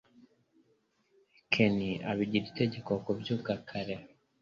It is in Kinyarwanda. Ken abigira itegeko kubyuka kare